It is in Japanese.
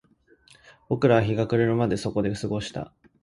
僕らは日が暮れるまでそこで過ごした